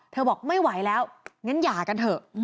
เธอบอกไม่ไหวแล้วย่ากันเถอะ